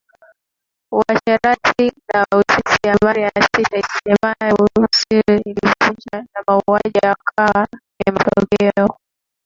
Uasherati na Uzinzi Amri ya sita isemayo usiue ilivunjwa na Mauaji yakawa ni matokeo